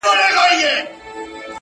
• ښايی چي لس تنه اورېدونکي به -